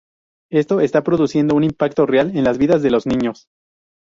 Esto está produciendo un impacto real en las vidas de los niños.